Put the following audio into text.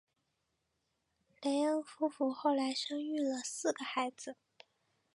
雷恩夫妇后来生育了四个孩子。